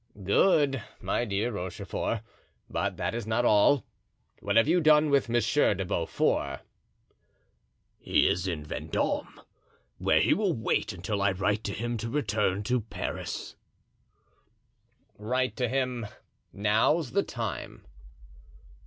"Good, my dear Rochefort; but that is not all. What have you done with Monsieur de Beaufort?" "He is in Vendome, where he will wait until I write to him to return to Paris." "Write to him; now's the time."